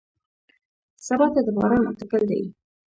سبا ته د باران اټکل دی.